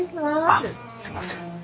あっすいません。